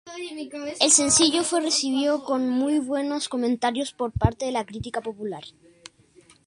El sencillo fue recibido con muy buenos comentarios por parte de la crítica popular.